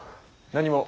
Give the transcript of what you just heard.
何も。